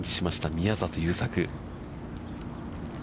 宮里優作。